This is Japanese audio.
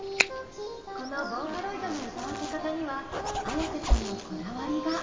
このボーカロイドの歌わせ方にはＡｙａｓｅさんのこだわりが。